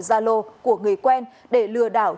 gia lô của người quen để lừa đảo